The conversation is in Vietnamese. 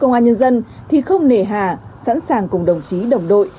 công an nhân dân thì không nề hà sẵn sàng cùng đồng chí đồng đội